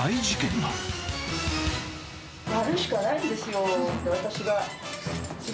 やるしかないんですよ。